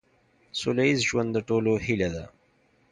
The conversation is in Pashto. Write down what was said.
سوله ایز ژوند د ټولو هیله ده.